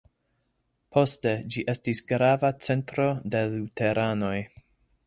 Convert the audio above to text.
Poste ĝi estis grava centro de luteranoj.